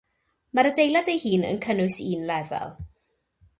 Mae'r adeilad ei hun yn cynnwys un lefel.